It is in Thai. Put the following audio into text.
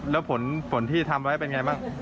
แล้วผลที่ทำไว้เป็นไงบ้าง